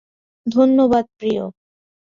ধন্যবাদ, প্রিয়।